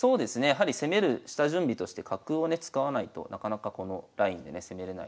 やはり攻める下準備として角をね使わないとなかなかこのラインでね攻めれないので。